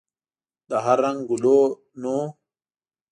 له هر رنګ ګلونو یې ښکلې غونچې جوړې کړي.